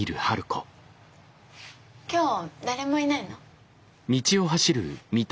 今日誰もいないの？